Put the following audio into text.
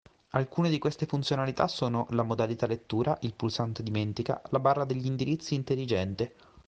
Alcune di queste funzionalità sono: la Modalità lettura, il Pulsante dimentica, la Barra degli indirizzi intelligente.